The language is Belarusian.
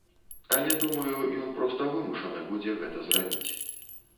Але думаю, ён проста вымушаны будзе гэта зрабіць.